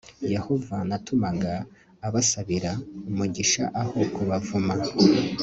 yehova yatumaga abasabira umugisha aho kubavuma